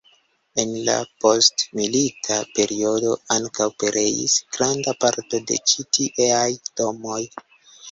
En la postmilita periodo ankaŭ pereis granda parto de ĉi tieaj domoj.